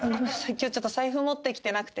今日ちょっと財布持ってきてなくて。